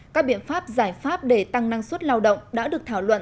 các biện pháp giải pháp để tăng năng suất lao động đã được thảo luận